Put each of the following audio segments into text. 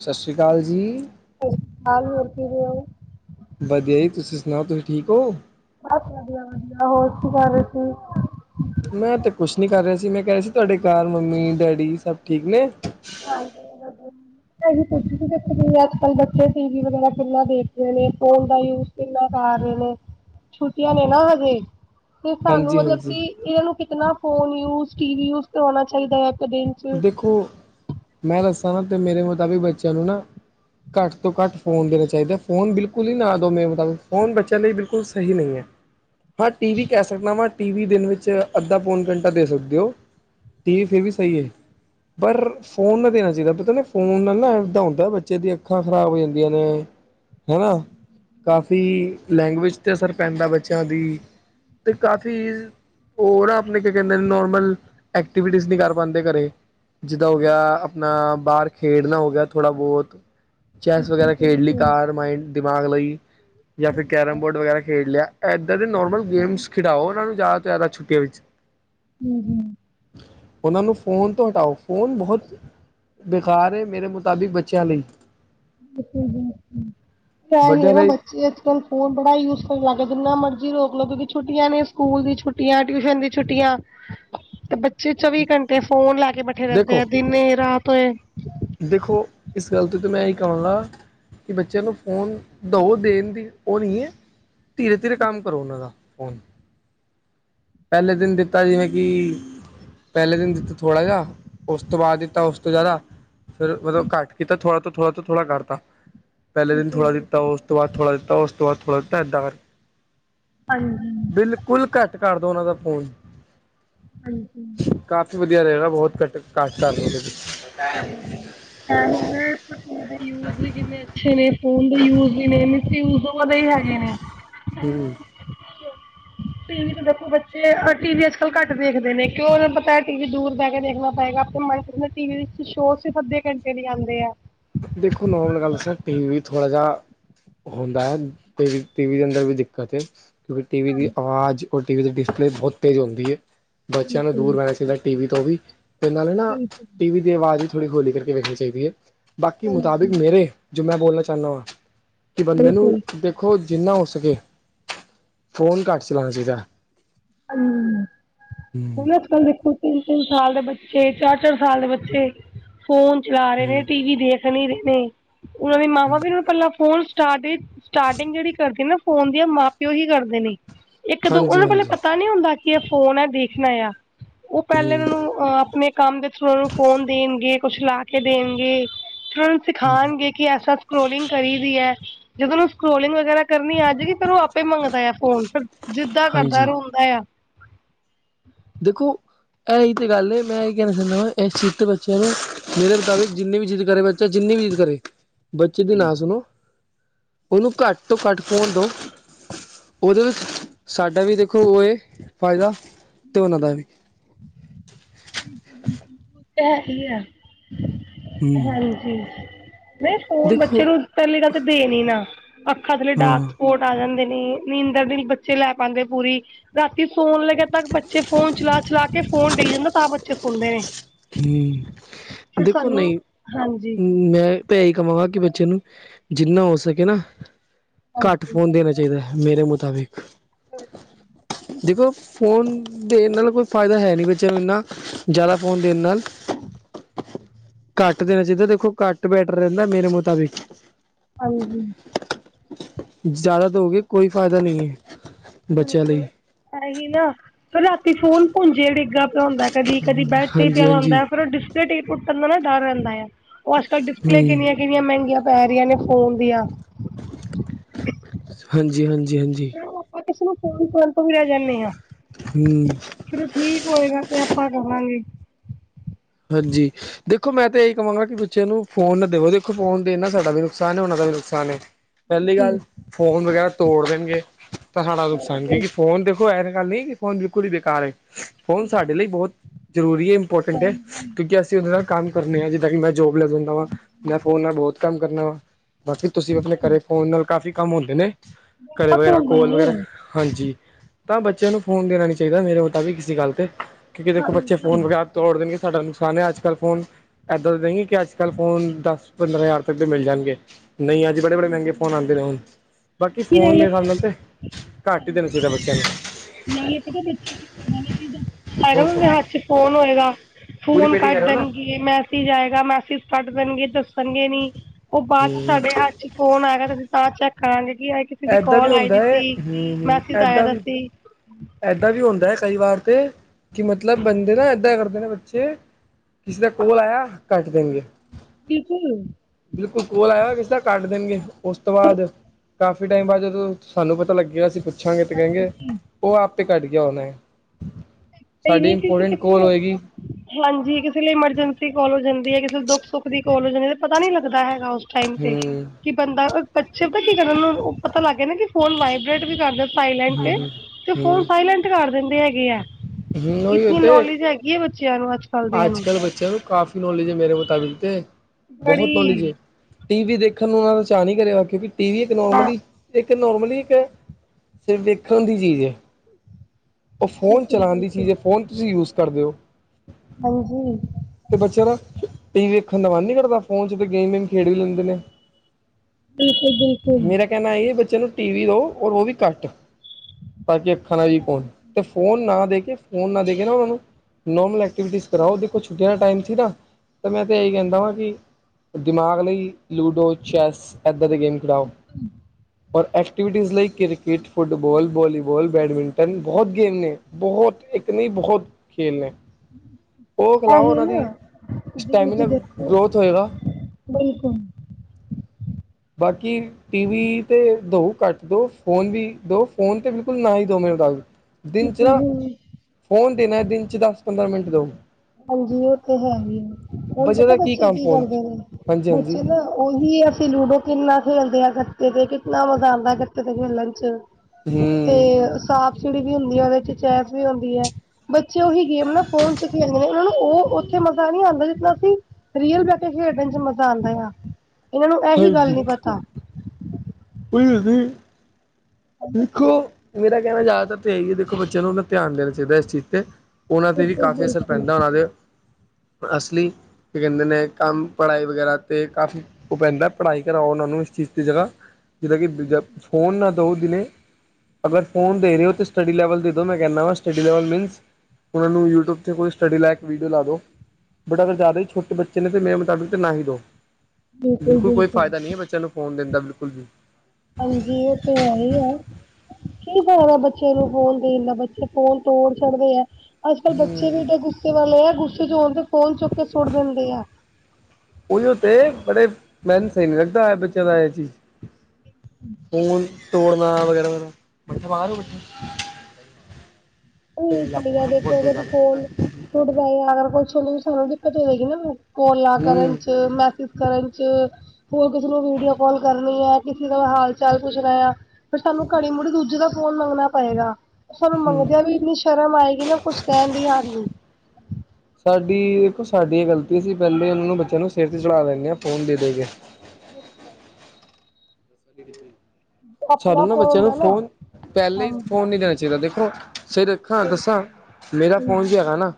ਸਤਿ ਸ਼੍ਰੀ ਅਕਾਲ ਜੀ। ਸਤਿ ਸ਼੍ਰੀ ਅਕਾਲ ਹੋਰ ਕਿਵੇਂ ਓ। ਵਧੀਆ ਜੀ ਤੁਸੀਂ ਸੁਣਾਓ ਤੁਸੀਂ ਠੀਕ ਹੋ। ਬਸ ਵਧੀਆ-ਵਧੀਆ ਹੋਰ ਕੀ ਕਰ ਰਹੇ ਸੀ। ਮੈਂ ਤੇ ਕੁਛ ਨੀ ਕਰ ਰਿਹਾ ਸੀ ਮੈਂ ਕਹਿ ਰਿਹਾ ਸੀ ਤੁਹਾਡੇ ਘਰ ਮੰਮੀ, ਡੈਡੀ ਸਭ ਠੀਕ ਨੇ। ਹਾਂਜੀ [inaudible] ਮੈਂ ਪੁੱਛਦੀ ਸੀ ਕਿ ਅੱਜ-ਕੱਲ ਬੱਚੇ ਟੀ ਵੀ ਵਗੈਰਾ ਕਿੰਨਾ ਦੇਖਦੇ ਨੇ ਫੋਨ ਦਾ ਯੂਜ਼ ਕਿੰਨਾ ਕਰ ਰਹੇ ਨੇ ਛੁੱਟੀਆਂ ਨਾ ਹਜੇ। ਤੇ ਸਾਨੂੰ ਹਾਂਜੀ ਮਤਲਬ ਹਾਂਜੀ ਕਿ ਇਹਨਾਂ ਨੂੰ ਕਿਤਨਾ phone use TV use ਕਰਵਾਉਣਾ ਚਾਹੀਦਾ ਹੈ। ਇੱਕ ਦਿਨ ਚ ਦੇਖੋ ਮੈਂ ਦੱਸਾਂ ਨਾ ਤੇ ਮੇਰੇ ਮੁਤਾਬਿਕ ਬੱਚਿਆਂ ਨੂੰ ਨਾ ਘੱਟ ਤੋਂ ਘੱਟ ਫੋਨ ਦੇਣਾ ਚਾਹੀਦਾ ਫ਼ੋਨ ਬਿਲਕੁਲ ਹੀ ਨਾ ਦਿਉ ਮੇਰੇ ਮੁਤਾਬਿਕ ਫੋਨ ਬੱਚਿਆਂ ਲਈ ਬਿਲਕੁਲ ਸਹੀ ਨਹੀਂ ਹੈ। ਹਾਂ ਟੀ ਵੀ ਕਹਿ ਸਕਦਾ ਵਾਂ ਟੀ ਵੀ ਦਿਨ ਵਿੱਚ ਅੱਧਾ ਪੌਣਾ ਘੰਟਾ ਦੇ ਸਕਦੇ ਹੋ। ਟੀ ਵੀ ਫਿਰ ਵੀ ਸਹੀ ਏ। ਪਰ [unintelligible] ਫੋਨ ਨਾ ਦੇਣਾ ਚਾਹੀਦਾ ਪਤਾ ਨਾ ਫੋਨ ਨਾਲ ਨਾ ਇੱਦਾਂ ਹੁੰਦਾ ਬੱਚੇ ਦੀਆਂ ਅੱਖਾਂ ਖ਼ਰਾਬ ਹੋ ਜਾਂਦੀਆਂ ਨੇ। ਹਨਾ ਕਾਫ਼ੀ ਲੈਂਗੁਏਜ ਤੇ ਅਸਰ ਪੈਂਦਾ ਬੱਚਿਆਂ ਦੀ ਤੇ ਕਾਫ਼ੀ ਉਹ ਨਾ ਆਪਣੇ ਕੀ ਕਹਿੰਦੇ ਨੋਰਮਲ ਐਕਟੀਵਿਟੀਜ਼ ਨੀ ਕਰ ਪਾਉਂਦੇ ਘਰੇ। ਜਿੱਦਾਂ ਹੋ ਗਿਆ ਆਪਣਾ ਬਾਹਰ ਖੇਡਣਾ ਹੋ ਗਿਆ ਥੋੜ੍ਹਾ ਬਹੁਤ। ਚੈਸ ਬਿਲਕੁਲ ਵਗੈਰਾ ਖੇਡ ਲਈ ਕਾਰ ਮਾਈੰਡ ਦਿਮਾਗ ਲਈ। ਜਾਂ ਫਿਰ ਕੈਰਮ ਬੋਰਡ ਵਗੈਰਾ ਖੇਡ ਲਿਆ। ਇੱਦਾਂ ਦੇ ਨੋਰਮਲ ਬਿਲਕੁਲ ਗੇਮਸ ਖਿਡਾਓ। ਉਹਨਾਂ ਨੂੰ ਜ਼ਿਆਦਾ ਤੋਂ ਜ਼ਿਆਦਾ ਛੁੱਟੀਆਂ ਵਿੱਚ। [inaudible] ਹੂੰ-ਹੂੰ ਉਹਨਾਂ ਨੂੰ ਫੋਨ ਤੋਂ ਹਟਾਓ ਫੋਨ ਬਹੁਤ ਬੇਕਾਰ ਏ। ਮੇਰੇ ਮੁਤਾਬਿਕ ਬੱਚਿਆਂ ਲਈ। ਐਹ ਹੀ ਹੈ ਵੱਡਿਆਂ ਨਾ ਲਈ ਬੱਚੇ ਅੱਜ-ਕੱਲ ਫੋਨ ਬੜਾ ਯੂਜ਼ਫੁ ਲੱਗ ਗਿਆ। ਜਿੰਨਾ ਮਰਜ਼ੀ ਰੋਕ ਲੋ ਕਿਉਂਕਿ ਛੁੱਟੀਆਂ ਨੇ ਸਕੂਲ ਦੀ ਛੁੱਟੀ ਟਿਊਸ਼ਨ ਦੀ ਛੁਟੀਆਂ। ਤੇ ਬੱਚੇ ਚੌਵੀ ਘੰਟੇ ਫੋਨ ਲੈ ਕੇ ਬੈਠੇ ਰਹਿੰਦੇ ਦੇਖੋ ਆ ਦਿਨੇ ਰਾਤ ਹੋਏ। ਦੇਖੋ, ਇਸ ਗੱਲ ਤੇ ਤਾਂ ਮੈਂ ਇਹੀ ਕਹਾਂਗਾ ਕਿ ਬੱਚਿਆਂ ਨੂੰ ਫੋਨ ਦਓ ਦੇਣ ਦੀ ਉਹ ਨਹੀਂ ਹੈ। ਤੀਰੇ-ਤੀਰੇ ਕੰਮ ਕਰੋ ਉਹਨਾਂ ਦਾ ਫੋਨ। ਪਹਿਲੇ ਦਿਨ ਦਿੱਤਾ ਜਿਵੇਂ ਕਿ ਪਹਿਲੇ ਦਿਨ ਦਿੱਤਾ ਥੋੜ੍ਹਾ ਜਿਹਾ ਉਸ ਤੋਂ ਬਾਅਦ ਦਿੱਤਾ ਉਸ ਤੋਂ ਜ਼ਿਆਦਾ। ਫਿਰ ਮਤਲਬ ਘੱਟ ਕੀਤਾ ਤੋਂ ਥੋੜਾ ਤੋਂ ਥੋੜਾ ਕਰਤਾ। ਪਹਿਲੇ ਦਿਨ ਥੋੜਾ ਦਿੱਤਾ ਉਸ ਤੋਂ ਬਾਅਦ ਥੋੜ੍ਹਾ ਦਿੱਤਾ। ਉਸ ਤੋਂ ਬਾਅਦ ਥੋੜਾ ਦਿੱਤਾ‌ ਐਦਾ ਕਰ। ਹਾਂਜੀ ਬਿਲਕੁਲ ਕੱਟ ਕਰਦੋ ਉਹਨਾਂ ਦਾ ਫ਼ੋਨ ਹਾਂਜੀ ਈ ਕਾਫੀ ਵਧੀਆ ਰਹੇਗਾ ਬਹੁਤ ਘੱਟ ਕਰ ਲੈ ਗੇ ਤੇ ਐਬੀਸ ਯੂਜ ਵੀ ਕਿੰਨੇ ਅੱਛੇ ਨੇ ਫੋਨ ਦੇ ਯੂਜ ਵੀ ਨੇ ਮਿਸਯੂਜ ਉਹਦੇ ਹੈਗੇ ਨੇ ਹੁ ਮ ਤੁਹੀਂ ਵੀ ਤੇ ਦੇਖੋ ਬੱਚੇ ਟੀ ਵੀ ਅੱਜ ਕੱਲ ਘੱਟ ਦੇਖਦੇ ਨੇ ਕਿਉਂ ਉਹਨੂੰ ਪਤਾ ਹੈ ਟੀ ਵੀ ਦੂਰ ਬਹਿ ਕੇ ਦੇਖਣਾ ਪਏਗਾ ਆਪਣੇ ਮਨ ਚ ਮ ਟੀ ਵੀ ਵਿੱਚ ਸ਼ੋਅ ਸਿਰਫ ਅੱਧੇ ਘੰਟੇ ਨੀ ਆਉਦੇ ਆ ਦੇਖੋ ਨੋਰਮਲ ਗੱਲ ਦੱਸ ਟੀ ਵੀ ਥੋੜ੍ਹਾ ਜੇਹਾ ਹੁੰਦਾ ਅ ਟੀਵ ਟੀ ਵੀ ਦੇ ਅੰਦਰ ਵੀ ਦਿੱਕਤ ਕਿਉਂਕਿ ਟੀ ਵੀ ਦੀ ਹਾਂਜੀ ਆਵਾਜ਼ ਔਰ ਟੀ ਵੀ ਦੀ ਡਿਸਪਲੇ ਬਹੁਤ ਤੇਜ਼ ਹੁੰਦੀ ਏ ਬੱਚਿਆਂ ਨੂੰ ਬਿਲਕੁਲ ਦੂਰ ਰਹਿਣਾ ਚਾਹੀਦਾ ਟੀ ਵੀ ਤੋਂ ਵੀ ਤੇ ਨਾਲੇ ਨਾ ਬਿਲਕੁਲ ਟੀ ਵੀ ਦੀ ਆਵਾਜ਼ ਵੀ ਥੋੜ੍ਹੀ ਹੌਲੀ ਕਰਕੇ ਵੇਖਣੀ ਚਾਹੀਦੀ ਐ ਬਾਕੀ ਮੁਤਾਬਿਕ ਹਾਂਜੀ ਮੇਰੇ ਜੋ ਮੈਂ ਬੋਲਣਾ ਚਾਹੁੰਦਾ ਵਾਂ ਕਿ ਬੰਦੇ ਨੂੰ ਬਿਲਕੁਲ ਖੋ ਜਿੰਨਾ ਹੋ ਸਕੇ ਫੋਨ ਘੱਟ ਚਲਾਣਾ ਚਾਹੀਦਾ ਹਮ ਹਮ ਮਤਲਬ‌ ਤੁਹੀ ਵੇਖੋ ਤਿੰਨ ਤਿੰਨ ਸਾਲ ਦੇ ਬੱਚੇ ਚਾਰ ਚਾਰ ਸਾਲ ਦੇ ਬੱਚੇ ਫੋਨ ਚਲਾ ਰਹੇ ਨੇ ਹਮ ਟੀ ਵੀ ਦੇਖ ਰਹੇ ਹਨੇਰੇ ਨੇ ਉਹਨਾਂ ਦੀ ਮਾਂਵਾ ਵੀ ਉਹਨਾਂ ਨੂੰ ਪੱਲਾ ਫੋਨ ਸਟਾਰਟ ਸਟਾਰਟਿੰਗ ਜਿਹੜੀ ਕਰਦੀ ਨਾ ਫੋਨ ਦੀ ਓ ਮਾਂ ਪਿਓ ਹੀ ਕਰਦੇ ਨੇ ਇੱਕ ਦੋ ਹਾਂਜੀ ਉਹਨੂੰ ਪਹਿਲ ਹਾਂਜੀ ਪਤ ਪਤਾ ਨੀ ਹੁੰਦਾ ਕੀ ਐ ਫੋਨ ਹੈ ਦੇਖਣਾ ਆ ਉਹ ਪਹਿਲੇ ਉਹਨਾਂ ਹਮ ਨੂੰ ਅਹ ਆਪਣੇ ਕੰਮ ਦੇ ਚ ਉਹਨਾਂ ਨੂੰ ਫੋਨ ਦੇਣਗੇ ਕੁਛ ਲਾ ਕੇ ਦੇਣਗੇ ਫਿਰ ਉਹਨਾਂ ਨੂੰ ਸਿਖਾਣਗੇ ਕਿ ਐਸਾ ਸਕਰੋਲਿੰਗ ਕਰੀ ਦੀ ਐ ਜਦੋਂ ਨੂੰ ਸਕਰੋਲਿੰਗ ਵਗੈਰਾ ਕਰਨੀ ਆ ਜੇ ਦੀਦੀ ਫਿਰ ਉਹ ਆਪੇ ਮੰਗਦਾ ਐ ਫੋਨ ਫਿਰ ਜਿੱਦਾਂ ਕਰਦਾ ਹਾਂਜੀ ਰੋਂਦਾ ਆ ਦੇਖੋ ਇਹੀ ਤਾਂ ਗੱਲ ਹੈ ਮੈਂ ਇਹ ਕਹਿਣਾ ਚਾਹੁੰਦਾ ਹਾਂ ਇਸ ਚੀਜ਼ ਤੋ ਬੱਚਿਆਂ ਨੂੰ ਮੇਰੇ ਮੁਤਾਬਿਕ ਜਿੰਨੀ ਵੀ ਜਿੱਦ ਕਰੇ ਬੱਚਾ ਜਿੰਨੀ ਵੀ ਜਿਦ ਕਰੇ ਬੱਚੇ ਦੀ ਨਾਂ ਸੁਣੋ ਉਹਨੂੰ ਘੱਟ ਤੋਂ ਘੱਟ ਫੋਨ ਦਿਓ ਉਹਦੇ ਵਿੱਚ ਸਾਡਾ ਵੀ ਦੇਖੋ ਓ ਏ ਫਾਇਦਾ ਤੇ ਉਹਨਾਂ ਦਾ ਵੀ ਹੈ ਹੀ ਆ ਹੂੰ ਹਾਂਜੀ ਨਹੀਂ ਫੋਨ ਬੱਚੇ ਦੇਖੋ ਨੂੰ ਪਹਿਲੀ ਗੱਲ ਤੇ ਦੇਣ ਹੀ ਨਾ ਅੱਖਾਂ ਥਲੇ ਹਾਂ ਡਾਕ ਸਪੋਟ ਆ ਜਾਂਦੇ ਨੇ ਨੀਂਦਰ ਵੀ ਨੀ ਬੱਚੇ ਲੈ ਪਾਉਂਦੇ ਪੂਰੀ ਰਾਤੀ ਸੋਣ ਲਗੇ ਤੱਕ ਬੱਚੇ ਫੋਨ ਚਲਾ ਚਲਾ ਕੇ ਫੋਨ ਡਿੱਗ ਜਾਂਦਾ ਤਾਂ ਬੱਚੇ ਸੋਨਦੇ ਨੇ ਹਮ ਫਿਰ ਦੇਖੋ ਸਾਨੂੰ ਨਹੀਂ ਹਾਂਜੀ ਮੈਂ ਤੇ ਏਹੀ ਕਵਾਂਗਾ ਕਿ ਬੱਚੇ ਨੂੰ ਜਿੰਨਾ ਹੋ ਸਕੇ ਨਾ ਘੱਟ ਹਾਂਜੀ ਫੋਨ ਦੇਣਾ ਚਾਹਿਦਾ ਮੇਰੇ ਮੁਤਾਬਿਕ ਦੇਖੋ ਫੋਨ ਦੇ ਨਾਲ ਕੋਈ ਫਾਇਦਾ ਹੈ ਨੀ ਬੱਚਿਆ ਨੂੰ ਐਨਾ ਜ਼ਿਆਦਾ ਫੋਨ ਦੇਣ ਨਾਲ ਘੱਟ ਦੇਣਾ ਚਾਹੀਦਾ ਦੇਖੋ ਘੱਟ ਬੈਟਰ ਰਹਿੰਦਾ ਮੇਰੇ ਮੁਤਾਬਿਕ ਹਾਂਜੀ ਜ਼ਿਆਦਾ ਦੋਗੇ ਕੋਈ ਫਾਇਦਾ ਨਹੀਂ ਐ ਬੱਚਿਆਂ ਲਈ ਐਹੀ ਨਾ ਫਿਰ ਰਾਤੀ ਫੋਨ ਭੁੰਜੇ ਡਿੱਗਾ ਪਿਆ ਹੁੰਦਾ ਕਦੀਕਦੀ ਬੈਡ ਤੇ ਹਾਂਜੀ ਪਿਆ ਹਾਂਜੀ ਹੁੰਦਾ ਫਿਰ ਉਹ ਡਿਸਪਲੇ ਟੁੱਟਣ ਦਾ ਨਾ ਡਰ ਰਹਿੰਦਾ ਐ ਓ ਅੱਜ ਕੱਲ ਡਿਸਪਲੇਅ ਹਮ ਕਿੰਨੀਆਂ ਕਿੰਨੀਆਂ ਮਹਿੰਗੀਆਂ ਪੈ ਰਹੀਆਂ ਨੇ ਫੋਨ ਦੀਆਂ ਹਾਂਜੀ ਹਾਂਜੀ ਹਾਂਜੀ ਫਿਰ ਆਪਾਂ ਕਿਸੇ ਨੂੰ ਫੋਨ ਕਰਨ ਤੋਂ ਵੀ ਰਹਿ ਜਾਨੇ ਆ ਹਮ ਚਲੋ ਠੀਕ ਹੋਏਗਾ ਤੇ ਆਪਾਂ ਕਹਾਂਗੇ। ਹਾਂਜੀ। ਦੇਖੋ ਮੈਂ ਤੇ ਇਹੀ ਕਹਾਂਗਾ। ਕਿ ਬੱਚੇ ਨੂੰ ਫੋਨ ਨਾ ਦੇਵੋ ਦੇਖੋ ਫੋਨ ਦੇਣ ਨਾਲ ਸਾਡਾ ਵੀ ਨੁਕਸਾਨ ਐ। ਉਹਨਾਂ ਦਾ ਵੀ ਨੁਕਸਾਨ ਐ। ਪਹਿਲੀ ਬਿਲਕੁਲ ਗੱਲ ਫੋਨ ਵਗੈਰਾ ਤੋੜ ਦੇਣਗੇ। ਤਾਂ ਸਾਡਾ ਨੁਕਸਾਨ ਕੀ ਹਾਂਜੀ ਫੋਨ ਦੇਖੋ, ਇਹੋ ਗੱਲ ਨਹੀਂ ਕਿ ਫੋਨ ਬਿਲਕੁਲ ਹੀ ਬੇਕਾਰ ਐ। ਫੋਨ ਸਾਡੇ ਲਈ ਬਹੁਤ ਜ਼ਰੂਰੀ ਏ ਇੰਮਪੋਟੈਂਟ ਐ। ਹਾਂਜੀ ਕਿ ਅਸੀਂ ਉਹਦੇ ਨਾਲ ਕੰਮ ਕਰਨੇ ਆ। ਜਿੱਦਾਂ ਕਿ ਮੈਂ ਜੋਬ ਲੈਸ ਬੰਦਾਂ ਵਾ, ਮੈਂ ਫੋਨ ਨਾਲ ਬਹੁਤ ਕੰਮ ਕਰਨਾ ਵਾ। ਬਾਕੀ ਤੁਸੀਂ ਆਪਣੇ ਘਰੇ ਫੋਨ ਨਾਲ ਕਾਫੀ ਕੰਮ ਹੁੰਦੇ ਨੇ, ਘਰੇ ਬਹੁਤ ਵਗੈਰਾ, ਹੁੰਦੇ ਕੋਲ ਵਗੈਰਾ ਨੇ ਹਾਂਜੀ ਤਾਂ ਬੱਚਿਆਂ ਨੂੰ ਫ਼ੋਨ ਦੇਣਾ ਨੀ ਚਾਹੀਦਾ। ਮੇਰੇ ਮੁਤਾਬਿਕ ਕਿਸੇ ਗੱਲ ਤੇ। ਕਿਉਂਕਿ ਦੇਖੋ ਬੱਚੇ ਹਾਂਜੀ ਫੋਨ ਵਗੈਰਾ ਤੋੜ ਦੇਣਗੇ। ਸਾਡਾ ਨੁਕਸਾਨ ਐ। ਅੱਜ ਕੱਲ੍ਹ ਫੋਨ ਇੱਦਾਂ ਦੇ ਕਿ ਅੱਜ-ਕੱਲ੍ਹ ਫ਼ੋਨ ਦਸ-ਪੰਦਰਾਂ ਹਜ਼ਾਰ ਤੱਕ ਦੇ ਮਿਲ ਜਾਣਗੇ। ਨਹੀਂ ਅੱਜ ਬੜੇ-ਬੜੇ ਮਹਿੰਗੇ ਫੋਨ ਆਉਂਦੇ ਨੇ ਹੁਣ। ਬਾਕੀ ਕਿ ਫੋਨ ਮੇਰੇ ਨਾਲੇ ਹਿਸਾਬ ਨਾਲ ਤੇ ਘੱਟ ਈ ਦੇਣਾ ਚਾਹੀਦਾ ਬੱਚਿਆਂ ਨੂੰ। ਨਾਲੇ ਪਤਾ ਬੱਚੇ ਨੂੰ [unintelligible] ਮੇਰੇ ਹੱਥ ਚ ਫੋਨ ਹੋਏਗਾ। ਪੂਰੀ ਫੋਨ ਪੇਟੀ ਕੱਟ ਕਹਿ ਰਹੇ ਹੋ ਨਾ ਦੇਣਗੇ, ਮੈਸੇਜ ਆਏਗਾ ਮੈਸੇਜ ਕੱਟ ਦੇਣਗੇ ਦੱਸਣਗੇ ਨੀ। ਉਹ ਬਾਅਦ ਚ ਹੂੰ ਸਾਡੇ ਹੱਥ ਚ ਫੋਨ ਆਏਗਾ। ਤਾਂ ਅਸੀ ਸਾਰਾ ਚੈੱਕ ਕਰਾਂਗੇ ਕੀ ਆ ਏਦਾਂ ਵੀ ਹੁੰਦਾ ਏ। ਹਮ-ਹਮ ਆਇਆ ਏਦਾਂ ਦਾ ਵੀ ਸੀ ਏਦਾਂ ਵੀ ਹੁੰਦਾ ਏ ਕਈ ਵਾਰ ਤੇ ਮਤਲਬ ਬੰਦੇ ਨਾ ਏਦਾਂ ਕਰਦੇ ਨੇ ਬੱਚੇ ਕਿਸੇ ਦਾ ਕੋਲ ਆਇਆ ਤੇ ਕੱਟ ਦੇਣਗੇ। [unintelligible] ਬਿਲਕੁਲ ਕੋਲ ਆਇਆ ਕਿਸੇ ਦਾ ਤੇ ਕੱਟ ਦੇਣਗੇ। ਉਸ ਤੋਂ ਬਾਅਦ ਕਾਫੀ ਟਾਈਮ ਬਾਅਦ ਜਦੋਂ ਸਾਨੂੰ ਪਤਾ ਲੱਗੇਗਾ। ਅਸੀਂ ਪੁੱਛਾਂਗੇ ਤੇ ਕਹਿਣਗੇ ਓ ਆਪੇ ਕੱਟ ਗਿਆ ਹੋਣਾ। ਸਹੀ ਸਾਡੀ ਨਹੀਂ ਕਿਉਂਕਿ ਇੰਮਪੋਟੈਂਟ ਕੋਲ ਦੇਖੋ ਹੋਏਗੀ ਹਾਂਜੀ ਕਿਸੇ ਲਈ ਐਮਰਜੈਂਸੀ ਕੋਲ ਹੋ ਜਾਂਦੀ ਐ। ਕਿਸੇ ਦੁੱਖ ਸੁੱਖ ਦੀ ਕੋਲ ਹੋ ਜਾਂਦੀ ਐ। ਪਤਾ ਨੀ ਲੱਗਦਾ ਹੈਗਾ ਉਸ ਟਾਈਮ ਤੇ ਹੂੰ ਹੂੰ ਕਿ ਬੰਦਾ ਬੱਚੇ ਤਾਂ ਕੀ ਕਰਨ ਪਤਾ ਲੱਗ ਜਾਂਦਾ। ਕਿ ਫੋਨ ਵਾਈਬਰੇਟ ਵੀ ਕਰਦੇ ਸਾਈਲੈਂਟ ਹੂੰ ਫੋਨ ਹੂੰ ਸਾਈਲੈਂਟ ਕਰ ਦਿੰਦੇ ਹੈਗੇ ਆ। ਹੂੰ ਇਤਨੀ ਨੌਲੇਜ ਹੈਗੀ ਏ ਬੱਚਿਆਂ ਨੂੰ ਅੱਜ ਕੱਲ ਦਿਆਂ ਨੂੰ ਅੱਜ-ਕੱਲ੍ਹ ਬੱਚਿਆਂ ਨੂੰ ਕਾਫੀ ਨੌਲੇਜ ਏ ਮੇਰੇ ਮੁਤਾਬਿਕ ਤੇ, ਬਹੁਤ ਨੌਲੇਜ ਬੜੀ ਏ। ਟੀ ਵੀ ਦੇਖਣ ਨੂੰ ਉਹ ਦਾ ਚਾਅ ਨ ਹੀ ਕਰੇਗਾ। ਕਿਉਂਕਿ ਟੀ ਵੀ ਨੋਰਮਲੀ ਇੱਕ ਨੋਰਮਲੀ ਇੱਕ ਸਿਰਫ ਦੇਖਣ ਦੀ ਚੀਜ਼ ਐ। ਉਹ ਫੋਨ ਬਿਲਕੁਲ ਚਲਾਉਣ ਦੀ ਬਿਲਕੁਲ ਚੀਜ਼ ਐ, ਫੋਨ ਤੁਸੀਂ ਯੂਜ਼ ਕਰਦੇ ਹੋ। ਹਾਂਜੀ। ਤੇ ਬੱਚਿਆਂ ਦਾ ਟੀ ਵੀ ਵੇਖਣ ਦਾ ਮਨ ਨੀ ਕਰਦਾ। ਫੋਨ ਚ ਗੇਮ-ਵੇਮ ਖੇਡ ਵੀ ਲੈਂਦੇ ਨੇ। ਬਿਲਕੁਲ-ਬਿਲਕੁਲ। ਮੇਰਾ ਕਹਿਣਾ ਆਈ ਬੱਚੇਆਂ ਨੂੰ ਟੀ ਵੀ ਦੋ ਔਰ ਉਹ ਵੀ ਘੱਟ ਪਾਕੇ ਅੱਖਾਂ ਨਾਲ ਵੀ ਤੇ ਫੋਨ ਨਾ ਦੇ ਕੇ ਫੋਨ ਨਾ ਦੇ ਕੇ ਨਾ ਉਹਨਾਂ ਨੂੰ ਨੋਮਲ ਐਕਟੀਵਿਟੀ ਕਰਾਓ ਕੁੱਛ ਛੁੱਟੀਆਂ ਦਾ ਟਾਈਮ ਸੀ ਨਾ, ਤਾਂ ਮੈਂ ਤਾਂ ਇਹੀ ਕਹਿੰਦਾ ਵਾਂ ਕਿ ਦਿਮਾਗ ਲਈ ਲੂਡੋ, ਚੈੱਸ ਇੱਦਾਂ ਦੇ ਗੇਮ ਖਿਡਾਓ। ਔਰ activities like cricket, football, volleyball, badminton ਬਹੁਤ ਗੇਮ ਨੇ। ਬਹੁਤ ਇੱਕ ਨੀ ਹੀ ਬਹੁਤ ਖੇਲ ਨੇ। ਉਹ ਖਿਲਾਓ ਆਹੀ ਉਹਨਾਂ ਦੀ ਨਾ ਜ ਸਟੈਮੀਨਾ ਦੇਖੂ ਗਰੋਥ ਹੋਏਗਾ ਬਿਲਕੁਲ ਬਾਕੀ ਟੀ ਵੀ ਤੇ ਦੋ ਘੱਟ ਦੋ ਫੋਨ ਵੀ ਦੋ ਫੋਨ ਤੇ ਬਿਲਕੁਲ ਨਾ ਹੀ ਦੋ ਮੈਨੂੰ ਦੱ ਦਿਨ 'ਚ ਬਿਲਕੁਲ ਨਾ ਹੁਣ ਫੋਨ ਦੇਣਾ ਦਿਨ ਚ ਦਸ ਮਿੰਟ ਦੋ। ਹਾਂਜੀ ਓ ਤੇ ਹੈ ਵੀ ਨਾ, ਹੁਣ ਪਤਾ ਦਾ ਬੱਚੇ ਕੰਮ ਕੀ ਫੋਨ ਚ ਕਰਦੇ ਪਏ ਨੇ ਹਾਂਜੀ ਹਾਂਜੀ ਬੱਚੇ ਨਾ ਉਹੀ ਅਸੀਂ ਲੂਡੋ ਕਿੰਨਾ ਖੇਲਦੇ ਆ ਗੱਤੇ ਤੇ ਕਿਤਨਾ ਮਜ਼ਾ ਆਂਦਾ ਗੱਤੇ ਦੇ ਖੇਲਣ ਚ ਤੇ ਹੂੰ ਅਸ ਸਾਂਪ ਚਿੜੀ ਵੀ ਹੁੰਦੀ ਐ, ਉਹਦੇ ਚ ਚੈਸ ਵੀ ਹੁੰਦੀ ਐ, ਬੱਚੇਆ ਦੀ ਗੇਮ ਨਾ ਫੋਨ 'ਚ ਖੇਲਦੇ ਨੇ ਓਨਾਂ ਨੂੰ ਓ ਓੱਥੇ ਮਜ਼ਾ ਨੀ ਆਂਦਾ ਜਿਸ ਤਰਾ ਕੀ ਰੀਅਲ ਬੈਟਰ ਖੇਡਣ ਚ ਮਜ਼ਾ ਆਂਦਾ ਆ, ਏਨਾਂ ਨੂੰ ਏਹੀ ਗੱਲ ਨੀ ਪਤਾ। ਕੋਈ ਅਸੀੇ ਦੇਖੋ, ਮੇਰਾ ਕੈਣਾ ਜ਼ਿਆਦਾਤਰ ਤਾਂ ਏਹੀ ਆ ਦੇਖੋ ਬੱਚਿਆਂ ਨੂੰ ਹਨਾ ਧਿਆਨ ਦੇਣਾ ਚਾਈਦਾ ਇਸ ਚੀਜ਼ ਤੇ ਓਨਾਂ ਤੇ ਵੀ ਬਿਲਕੁਲ ਕਾਫੀ ਅਸਰ ਬਿਲਕੁਲ ਪੈਂਦਾ ਹੁਨਾਂ ਦੇ, ਅਸਲੀ ਏ ਕੇਂਦੇ ਨੇ ਕੰਮ ਪੜ੍ਹਾਈ ਵਗੈਰਾ ' ਤੇ ਕਾਫੀ ਓ ਕੇਂਦਾ ਪੜ੍ਹਾਈ ਕਰਾਓ ਓਨਾਂ ਨੂੰ ਇਸ ਚੀਜ਼ ਦੀ ਜਗ੍ਹਾ, ਜਿੱਦਾਂ ਕਿ ਫੋਨ ਨਾ ਨੇ, ਅਗਰ ਫੋਨ ਦੇ ਰਏ ਓ ਤਾਂ ਸਟੱਡੀ ਲੈਵਲ ਦੇ ਦੋ ਮੈਂ ਕੇਂਨਾ ਵਾਂ ਸਟੱਡੀ ਲੈਵਲ ਮੀਨਸ ਓਂਨਾ ਨੂੰ ਯੂਟਿਊਬ ਤੇ ਕੋਈ ਸਟੱਡੀ ਲਾਇਕ ਵੀਡੀਓ ਲਾ ਦੋ ਬਟ ਅਗਰ ਜ਼ਿਆਦਾ ਛੋਟੇ ਬੱਚੇ ਨੇ ਤੇ ਮੇਰੇ ਮੁਤਾਬਿਕ ਤਾਂ ਨਾ ਹੀ ਦੋ ਬਿਲਕੁਲ ਕੋਈ ਫਾਇਦਾ ਨਈ ਐ ਬੱਚੇਆਂ ਨੂੰ ਫ਼ੋਨ ਦੇਣ ਦਾ ਬਿਲਕੁਲ ਵੀ। ਹਾਂਜੀ ਏ ਤੇ ਹੈ ਈ ਐ। ਕੀ ਫਾਇਦਾ ਬੱਚੇਆ ਨੂੰ ਫੋਨ ਦੇਣ ਦਾ ਬੱਚੇ ਫੋਨ ਤੋੜ ਛੱਡਦੇ ਆ। ਅੱਜ- ਕੱਲ੍ਹ ਬੱਚੇ ਵੀ ਇਡੇ ਗੁੱਸੇ ਵਾਲੇ ਆ ਗੁੱਸੇ ਚ ਹੋਣ ਤੇ ਫੋਨ ਚੁੱਕ ਕੇ ਸੁੱਟ ਦਿੰਦੇ ਆ। ਉਹੀਓ ਤੇ ਬੜੇ ਮੈੰਨੂ ਤੇ ਸਈ ਨਈ ਲੱਗਦਾ ਬੱਚੇ ਦਾ ਏ ਚੀਜ਼ ਫੋਨ ਤੋੜਨਾ ਵਗੈਰਾ- ਵਗੈਰਾ ਬਾਰ ਬੈਠੇ ਓ ਚਲੀ ਗਿਆ ਦੇਖੋਗੇ ਫੋਨ ਟੁੱਟ ਜਾਏਗਾ ਅਗਰ ਕੋਈ ਤੁਆਨੂੰ ਵੀ ਸਵਾ ਦਿੱਕਤ ਹੋਵੇਗੀ ਨਾ ਕੋਲਾ ਆ ਕਰਨ ਹੂੰ ਚ ਮੈਸੇਜ ਕਰਨ 'ਚ ਹੋਰ ਕਿਸੇ ਨੂੰ ਵੀਡੀਓ ਕੋਲ ਕਰਨੀ ਆ ਕਿਸੀ ਦਾ ਹਾਲ -ਚਾਲ ਪੁੱਛਣਾ। ਫਿਰ ਸਾਨੂੰ ਘੜੀ- ਮੁੜੀ ਦੂਜੇ ਦਾ ਫੋਨ ਮੰਗਣਾ ਪਏਗਾ। ਸਾਨੂੰ ਮੰਗਦਿਆਂ ਵੀ ਇੰਨੀ ਸ਼ਰਮ ਆਏਗੀ ਨਾ ਕੁੱਛ ਕੈਣ ਦੀ ਹੱਦ ਨਈ ਸਾਡੀ ਈ ਦੇਖੋ ਸਾਡੀ ਏ ਗਲਤੀ ਸੀਂ ਪੇਲੇ ਓਨਾਂ ਨੂੰ ਬੱਚੇਆਂ ਨੂੰ ਸਿਰ ਤੇ ਚੜ੍ਹਾ ਦਿੰਦੇ ਹਾਂ ਫੋਨ ਦੇ ਦੇ ਕੇ ਬਿਲਕੁਲ। ਤੁਆਡੇ ਕਿਤਨੇ ਆਪਣਾ ਸਾਨੂੰ ਨਾ ਫੋਨ ਬੱਚੇਆਂ ਨੂੰ ਹੁੰਦਾ ਨਾ ਫੋਨ, ਪੇਲੇ ਈ ਹਾਂਜੀ ਫ਼ੋਨ ਨਈ ਦੇਣਾ ਚਾਈਦਾ ਦੇਖੋ ਫੇਰ ਖਾਂ ਬਿਲਕੁਲ ਦੱਸਾਂ ਮੇਰਾ ਫੋਨ ਵੀ ਹਾਂਜੀ। ਹੈਗਾ ਨਾ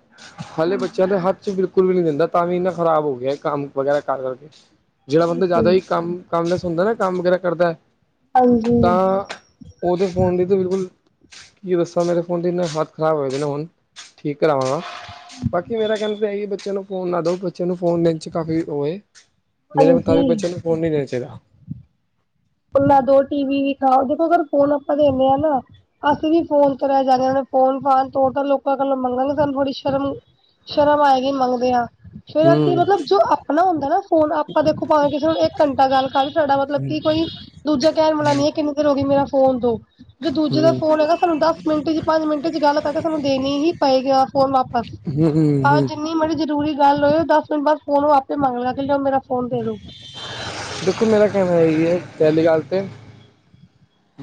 ਹਾਲੇ ਬੱਚੇਆਂ ਦੇ ਹਾਂਜੀ ਹੱਥ ਚ ਬਿਲਕੁਲ ਵੀ ਨਈ ਦਿੰਦਾ ਤਾਂ ਵੀ ਇੰਨਾ ਖ਼ਰਾਬ ਹੋ ਗੇਆ ਕੰਮ ਵਗੈਰਾ ਕਰ ਕਰਕੇ ਜੇੜਾ ਬੰਦਾ ਜ਼ਾਦਾ ਠੀਕ ਈ ਕੰਮ ਕੰਮ ਚ ਹੁੰਦਾ ਨਾ ਕੰਮ ਵਗੈਰਾ ਕਰਦਾ ਹਾਂਜੀ ਤਾਂ ਓਦੇ ਫੋਨ ਦੀ ਤਾਂ ਬਿਲਕੁਲ ਕੀ ਦੱਸਾਂ ਮੇਰੇ ਫੋਨ ਦੀ ਏਨਾ ਹਾਲਤ ਖ਼ਰਾਬ ਹੋਏ ਨੇ ਹੁਣ ਠੀਕ ਕਰਾਵਾਂਗਾ। ਬਾਕੀ ਮੇਰਾ ਕੈਣਾ ਤਾਂ ਐਹੀ ਆ ਬੱਚੇਆਂ ਨੂੰ ਫੋਨ ਨਾ ਦਉ ਬੱਚਿਆਂ ਨੂੰ ਫੋਨ ਲਂਚ ਕਾਫ਼ੀ ਉਹਵੇ ਮੇਰੇ ਹਾਂਜੀ ਮੁਤਾਬੀਕ ਬੱਚੇਆ ਨੂੰ ਫੋਨ ਨਈ ਦੇਣਾ ਚਾਈਦਾ। ਨਾਂ ਦੋ ਟੀ ਵੀ ਵੀ ਖਾਓ ਦੇਖੋ ਅਗਰ ਫੋਨ ਆਪਾਂ ਦਿੰਦੇ ਹਨਾ ਅਸੀਂ ਵੀ ਫੋਨ ਕਰੇਆ ਜਾਗੇ ਫੋਨ- ਫਾਨ ਤੋ ਲੋਕਾਂ ਕੱਲੋਂ ਮੰਗਾਂਗੇ ਸਾਨੂੰ ਥੋੜੀ ਸ਼ਰਮ ਸ਼ਰਮ ਆਏਗੀ ਮੰਗਦੇਆਂ। ਫਿਰ ਅਸੀਂ ਹੂੰ ਮਤਲਬ ਜੋ ਆਪਣਾ ਹੁੰਦਾ ਨਾ ਫੋਨ ਆਪਾਂ ਦੇਖੋ ਭਾਵੇ ਕਿਸੇ ਹੁਣ ਇੱਕ ਘੰਟਾ ਗੱਲ ਕਰ ਤੁਆਡਾ ਮਤਲਬ ਕਿ ਕੋਈ ਦੂਜਾ ਕੈਣ ਵਾਲਾ ਨੀ ਹੈ ਕਿੰਨੀ ਦੇਰ ਹੋ ਗਈ ਮੇਰਾ ਫੋਨ ਦਓ। ਜੇ ਦੂਜੇ ਦਾ ਹੂੰ ਫੋਨ ਹੈਗਾ ਸਾਨੂੰ ਦਸ ਮਿੰਟ ਚ ਪੰਜ ਮਿੰਟ ਚ ਗੱਲ ਕਰਕੇ ਸਾਨੂੰ ਦੇਣੀ ਹੀ ਪਏਗੀ ਆ ਫੋਨ ਵਾਪਸ। ਹੂੰ ਹੂੰ ਏ ਹੂੰ ਜਿੰਨੀ ਮਰਜ਼ੀ ਜ਼ਰੂਰੀ ਗੱਲ ਹੋਵੇ ਦਸ ਮਿੰਟ ਬਾਅਦ ਫੋਨ ਉਹ ਆਪੇ ਮੰਗ ਲੈਦੇ ਜੇ ਮੇਰਾ ਫੋਨ ਦੇ ਦੋ। ਦੇਖੋ ਮੇਰਾ ਕੈਣਾ ਓਹੀ ਏ ਪੇਲੀ ਗੱਲ ਤੇ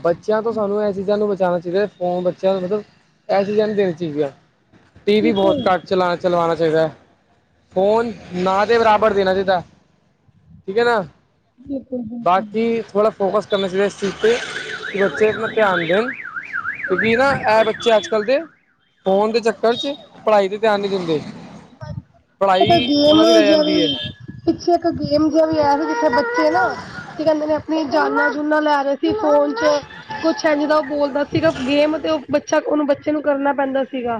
ਬੱਚਿਆਂ ਤੋਂ ਸਾਨੂੰ ਏ ਚੀਜ਼ਾਂ ਨੂੰ ਬਚਾਣਾ ਚਾਈਦਾ, ਫੋਨ ਬੱਚਿਆਂ ਨੂੰ ਮਤਲਬ ਐ ਚੀਜ਼ਾਂ ਨਈ ਦੇਣੀ ਚਾਈਦੀਆ। ਟੀ ਵੀ ਬੋਤ ਬਿਲਕੁਲ, ਘੱਟ ਚਲਾ ਚਲਵਾਣਾ ਚਾਈਦਾ, ਫੋਨ ਨਾ ਦੇ ਬਰਾਬਰ ਦੇਣਾ ਚਾਈਦਾ। ਠੀਕ ਏ ਨਾ, ਬਿਲਕੁਲ-ਬਿਲਕੁਲ। ਬਾਕੀ ਥੋੜਾ ਫੋਕਸ ਕਰਨਾ ਚਾਈਦਾ ਇਸ ਚੀਜ਼ ਤੇ। ਕੀ ਬੱਚੇ ਤੇ ਧਿਆਨ ਦੇਣ, ਕਿਉਂਕਿ ਨਾ ਐ ਬੱਚੇ ਅੱਜ ਕੱਲ੍ਹ ਦੇ ਫੋਨ ਦੇ ਚੱਕਰ 'ਚ, ਪੜ੍ਹਾਈ ਤੇ ਧਿਆਨ ਨੀ ਦਿੰਦੇ। ਪੜ੍ਹਾਈ ਇੱਕ ਗੇਮ ਓਨਾਂ ਦੀ ਰੈ ਜਾਂਦੀ ਜਿਹੜੀ ਏ। ਪਿੱਛੇ ਇੱਕ ਗੇਮ ਜਿਆ ਵੀ ਆਇਆ ਹੀ, ਜਿੱਥੇ ਬੱਚੇ ਨਾ ਕੀ ਕੈਂਦੇ ਨੇ ਵੀ ਜਾਨਾਂ ਜੂਨਾ ਲੈ ਰੇਹ ਸੀ ਫੋਨ 'ਚ। ਕੁਛ ਐਂਂਜ ਦਾਂ ਓ ਬੋਲਦਾ ਸੀਗਾ ਗੇਮ ਤੇ, ਓ ਬੱਚਾ ਓਨੂੰ ਬੱਚੇ ਨੂੰ ਕਰਨਾ ਪੈਂਦਾ ਸੀਗਾ।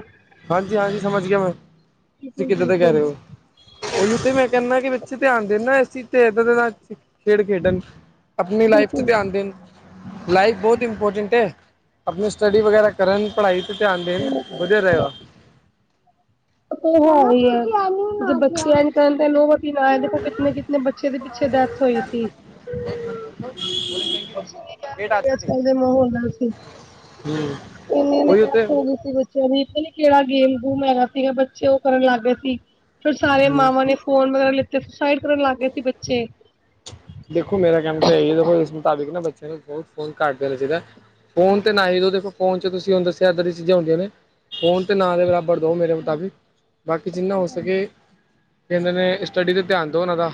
ਹਾਂਜੀ, ਹਾਂਜੀ ਸਮਝ ਗਿਆ ਮੈਂ, ਤੁਸੀਂ ਕਿੱਦਾਂ ਦਾ ਕੈ ਰੇ ਬਿਲਕੁਲ-ਬਿਲਕੁਲ। ਓ। ਓਈਓ ਤੇ ਮੈਂ ਕੈਣਾ ਕੀ ਬੱਚੇ ਧਿਆਨ ਦੇਣ ਨਾ ਏਸ ਚੀਜ ਤੇ ਏਦਾਂ ਦਾ ਨਾ ਖੇਡ ਖੇਡਣ। ਆਪਣੀ ਲਾਈਫ 'ਚ ਬਿਲਕੁਲ ਧਿਆਨ ਦੇਣ। ਲਾਈਫ ਬੋਤ ਇੰਮਪੋਟੈਂਟ ਐ, ਆਪਣੀ ਸਟੱਡੀ ਵਗੈਰਾ ਕਰਨ ਪੜ੍ਹਾਈ ਵਲ ਧਿਆਨ ਦੇਣ, ਵਧੀਆ ਰਏਗਾ। ਏ ਤੇ ਹੈ ਵੀ ਐ, ਜੇ ਬੱਚੇ ਅੱਜ ਕੱਲ ਦੇ ਨੋਵਤ ਕੀ ਲਾਇਆ ਦੇਖੋ ਕਿਤਨੇ ਕਿਤਨੇ ਬੱਚੇ ਦੇ ਪਿੱਛੇ ਡੈਥ ਹੋਈ ਸੀ। ਕਹਿ ਸਕਦੇ ਅੱਜ-ਕੱਲ ਦੇ ਮਾਹੌਲ ਨਾਲ ਅਸੀਂ। [unintelligible] ਹੂੰ ਓਈ ਓ ਤੇ। ਚਵੀ ਪਤਾ ਨੀ ਕੇੜਾ ਗੇਮ ਗੂਮ ਹੈਗਾ ਸੀਗਾ ਬੱਚੇ ਓ ਕਰਨ ਲੱਗ ਗੇ ਸੀ, ਫੇਰ ਸਾਰੇ ਹਮ ਮਾਵਾਂ ਨੇ ਫ਼ੋਨ ਵਗੈਰਾ ਲਿੱਤੇ ਸੁਸਾਈਡ ਕਰਨ ਲੱਗ ਗਏ ਸੀ ਬੱਚੇ। ਦੇਖੋ ਮੇਰਾ ਕੈਣਾ ਤੇ ਏ ਦੇਖੋ ਏਸ ਮੁਤਾਬਿਕ ਨਾ ਬੱਚਿਆਂ ਨੂੰ ਬੋਤ ਫੋਨ ਘੱਟ ਦੇਣਾ ਚਾਈਦਾ। ਫੋਨ ਤੇ ਨਾ ਈ ਦਿਉ ਦੇਖੋ ਫੋਨ 'ਚ ਤੁਸੀ ਦੱਸਿਆ ਏਦਾਂ ਦੀ ਚੀਜ਼ਾਂ ਹੁੰਦੀਆਂ ਨੇ। ਫੋਨ ਤੇ ਨਾ ਦੇ ਬਰਾਬਰ ਦਿਓ ਮੇਰੇ ਮਤਾਬਿਕ, ਬਾਕੀ ਤੇ ਜਿੰਨਾ ਹੈ। ਹੋ ਸਕੇ ਕੈਂਦੇ ਨੇ ਸਟੱਡੀ ਤੇ ਧਿਆਨ ਦਿਉ ਓਨਾਂ ਦਾ,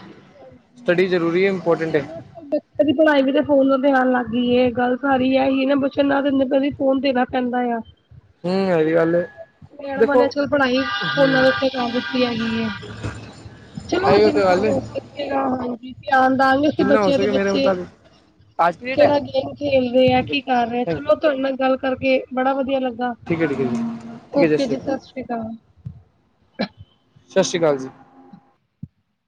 ਸਟੱਡੀ ਜ਼ਰੂਰੀ ਹੈ ਓਈ ਇੰਪੋਰਟੈਂਟ ਏ ਹੈ ਨਾ ਫੇਰ ਬੱਚ ਕਦੀ ਪੜ੍ਹਾਈ ਵੀ ਤੇ ਫੋਨਾਂ ਤੇ ਆਣ ਲੱਗ ਗੀ ਏ ਗੱਲ ਸਾਰੀ ਐ ਈ ਏ ਨਾ ਬੱਚੇ ਨੂੰ ਦਿੰਦੇ ਪਏ ਵੀ ਫੋਨ ਦੇਣਾ ਪੈਂਦਾ ਆ। ਹੂੰ ਏ ਵੀ ਗੱਲ ਏ। ਮੈਡਮਾਂ ਦੇਖੋ ਨੇ ਅੱਜ ਕੱਲ ਪੜ੍ਹਾਈ ਫੋਨਾਂ ਦੇ ਉੱਤੇ ਕਰ ਦਿੱਤੀ ਹੈਗੀ ਏ। ਚਲੋ ਇਹੀ ਤੇ ਜਿੰਨਾ ਗੱਲ ਏ ਹੋ ਸਕੇਗਾ ਹਾਂਜੀ ਧਿਆਨ ਦਾਂਗੇ ਅਸੀਂ ਜਿੰਨਾ ਹੋ ਬੱਚਿਆਂ ਦੇ ਸਕੇ ਮੇਰੇ ਵਿੱਚ। ਮੁਤਾਬਿਕ ਅੱਜ ਦੀ ਡੇਟ ਹੈ ਕੇੜਾ ਗੇਮ ਖੇਲ ਰੇ ਐ ਠੀਕ ਹੈ ਕੀ ਕਰ ਰੇ, ਥੈਂਕ ਯੂ ਚਲੋ ਤੁਆਡੇ ਨਾਲ ਗੱਲ ਕਰਕੇ ਬੜਾ ਵਧੀਆ ਲੱਗਾ। ਠੀਕ ਐ ਠੀਕ ਐ ਜੀ ਓਕੇ ਸਸੀ ਕਾਲ, ਸਤਿ ਸ਼੍ਰੀ ਅਕਾਲ ਸਾਸਰੀ ਕਾਲ ਜੀ।